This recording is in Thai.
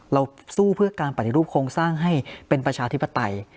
เราสู้เพื่อการปฏิรูปโครงสร้างให้เป็นประชาธิปไตย